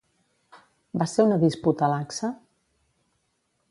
Va ser una disputa laxa?